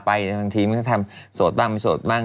บางทีมันก็ทำโสดบ้างไม่โสดบ้าง